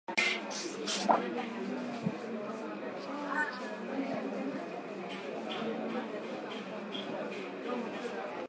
Dalili muhimu ya ugonjwa wa kichaa cha mbwa ni mnyama kuogopa maji